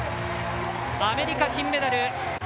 アメリカ、金メダル。